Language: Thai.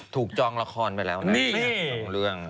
ถูกจองละครไปแล้วนะทั้ง๒เรื่อง